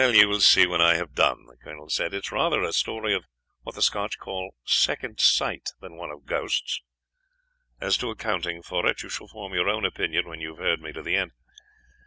"You will see when I have done," the colonel said. "It is rather a story of what the Scotch call second sight, than one of ghosts. As to accounting for it, you shall form your own opinion when you have heard me to the end.